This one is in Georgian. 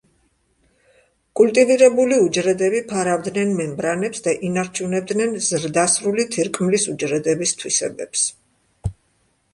კულტივირებული უჯრედები ფარავდნენ მემბრანებს და ინარჩუნებდნენ ზრდასრული თირკმლის უჯრედების თვისებებს.